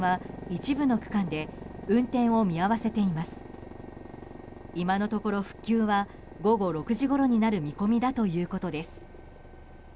今のところ復旧は午後６時ごろになる見込みだということです。